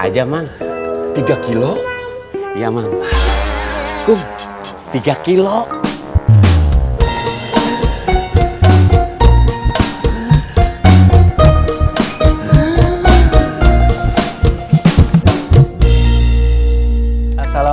aduh ampun ini roknya tampak pendek saja